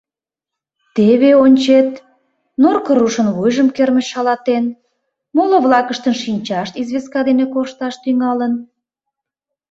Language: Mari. — Теве ончет: Норко рушын вуйжым кермыч шалатен, моло-влакыштын шинчашт известка дене коршташ тӱҥалын.